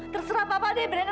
terserah apa apa deh brenda